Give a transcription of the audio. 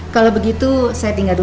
kalau begitu saya tinggal dulu